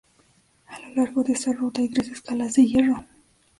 A lo largo de esta ruta hay tres escalas de hierro.